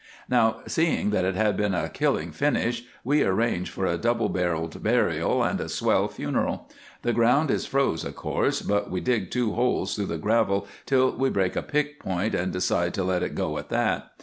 "Now, seeing that it had been a killing finish, we arrange for a double barreled burial and a swell funeral. The ground is froze, of course, but we dig two holes through the gravel till we break a pick point and decide to let it go at that.